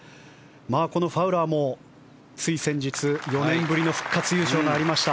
このファウラーもつい先日、４年ぶりの復活優勝がありました。